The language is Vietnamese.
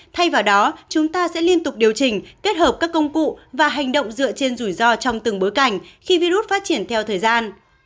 thay vào đó chúng ta sẽ liên tục điều chỉnh kết hợp các công cụ và hành động dựa trên rủi ro trong từng bối cảnh khi virus phát triển theo thời gian